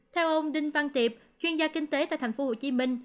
theo ông đinh văn tiệp chuyên gia kinh tế tại tp hcm